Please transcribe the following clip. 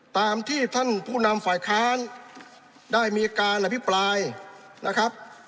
ตามที่ท่านผู้นำฝ่ายค้านได้มีการอภิปรายนะครับ